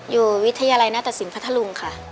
อยู่วิทยาลัยนาตถสินพัทรรุงค่ะ